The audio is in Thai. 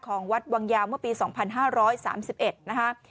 ของวัดวังยาวเมื่อปี๒๕๓๑นะคะ